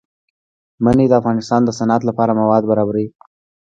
منی د افغانستان د صنعت لپاره مواد برابروي.